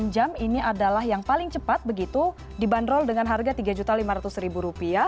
enam jam ini adalah yang paling cepat begitu dibanderol dengan harga rp tiga lima ratus